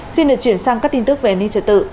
xin được chuyển sang các tin tức về ninh trợ tự